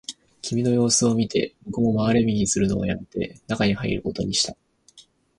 君の様子を見て、僕も回れ右をするのをやめて、中に入ることにした